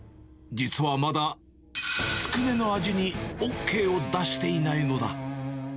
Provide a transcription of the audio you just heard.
実はまだつくねの味にＯＫを出していないのだ。